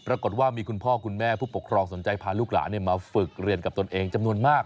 ปรากฏว่ามีคุณพ่อคุณแม่ผู้ปกครองสนใจพาลูกหลานมาฝึกเรียนกับตนเองจำนวนมาก